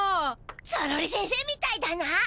ゾロリせんせみたいだな。